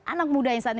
anak muda yang saat ini